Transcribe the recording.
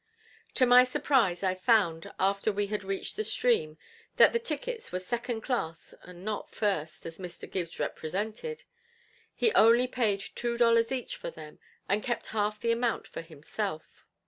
To my surprise I found, after we had reached the stream, that the tickets were second class and not first, as Mr. Gibbs represented. He only paid two dollars each for them, and kept half the amount for himself.